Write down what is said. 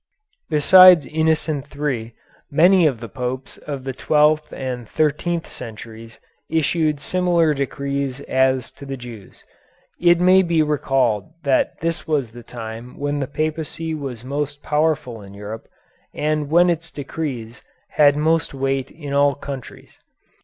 Besides Innocent III, many of the Popes of the twelfth and thirteenth centuries issued similar decrees as to the Jews. It may be recalled that this was the time when the Papacy was most powerful in Europe and when its decrees had most weight in all countries.